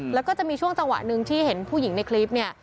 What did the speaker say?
แล้วก็จะมีช่วงจังหวะหนึ่งที่เห็นผู้หญิงในคลิปเนี่ย